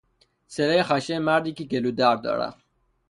صدای خشن مردی کهگلودرد دارد